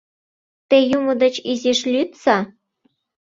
Те юмо деч изиш лӱдса!